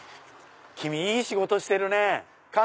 君いい仕事してるねぇ！